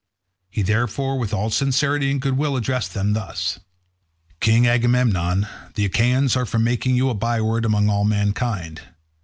He therefore with all sincerity and goodwill addressed them thus:— "King Agamemnon, the Achaeans are for making you a by word among all mankind.